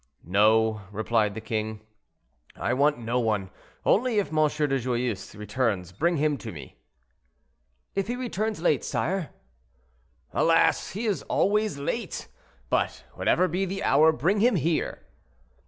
"No," replied the king, "I want no one; only if M. de Joyeuse returns, bring him to me." "If he returns late, sire?" "Alas! he is always late; but whatever be the hour, bring him here."